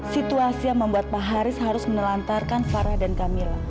situasi yang membuat pak haris harus menelantarkan farah dan camilla